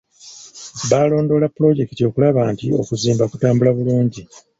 Baalondoola pulojekiti okulaba nti okuzimba kutambula bulungi.